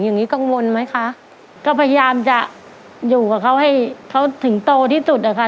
อย่างนี้กังวลไหมคะก็พยายามจะอยู่กับเขาให้เขาถึงโตที่สุดอะค่ะ